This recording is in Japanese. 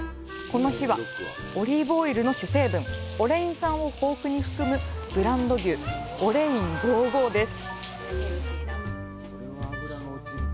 この日は、オリーブオイルの主成分オレイン酸を豊富に含むブランド牛オレイン５５です。